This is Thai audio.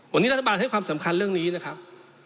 วันนี้รัฐบาลให้ความสำคัญเรื่องนี้นะครับ